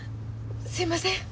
すいません。